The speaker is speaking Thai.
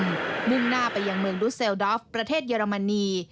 มุ่งหน้าไปยังเมืองรุเซลดอฟประเทศเยอรมนี